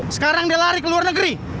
sekarang dia lari ke luar negeri